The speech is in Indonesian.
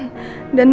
dan mbak andin